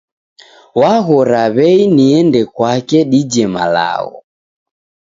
Waghora w'ei niende kwake dije malagho